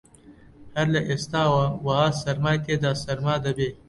هەر لە ئێستاوە وەها سەرمای تێدا سەرما دەبێ